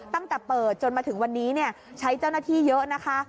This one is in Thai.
ตั้งแต่เปิดจนมาถึงวันนี้ใช้เจ้าหน้าที่เยอะนะคะ